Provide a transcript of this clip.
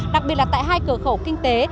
đặc biệt là tại hai cửa khẩu kinh tế